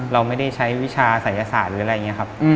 เราไม่ได้ใช้วิชาศัยศาสตร์หรืออะไรอย่างนี้ครับ